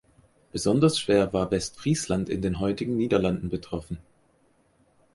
Besonders schwer war Westfriesland in den heutigen Niederlanden betroffen.